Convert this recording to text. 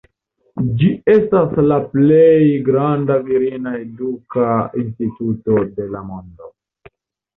Ĝi estas la plej granda virina eduka instituto de la mondo.